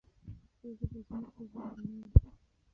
پښتو ژبه زموږ د ژوند رڼا ده.